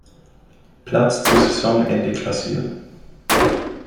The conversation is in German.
Platz zu Saisonende klassieren.